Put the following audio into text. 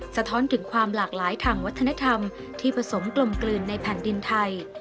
สะท้อนถึงความหลากหลายทางวัฒนธรรมที่ผสมกลมกลืนในแผ่นดินไทย